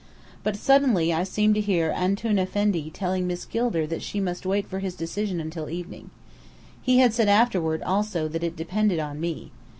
But suddenly I seemed to hear "Antoun Effendi" telling Miss Gilder that she must wait for his decision until evening. He had said afterward, also, that it depended on me.